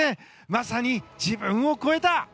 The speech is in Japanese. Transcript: まさに自分を超えた！